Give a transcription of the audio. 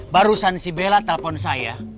barusan si bella telpon saya